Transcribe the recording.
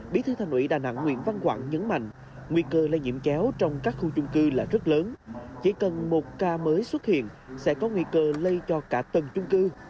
bí thư thành ủy đà nẵng nguyễn văn quảng nhấn mạnh nguy cơ lây nhiễm chéo trong các khu chung cư là rất lớn chỉ cần một ca mới xuất hiện sẽ có nguy cơ lây cho cả tầng chung cư